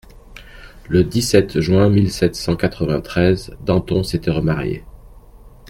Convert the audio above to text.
Le dix-sept juin mille sept cent quatre-vingt-treize, Danton s'était remarié.